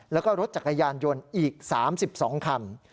แล้วก็รถจักรยานยนต์อีก๓๒คัน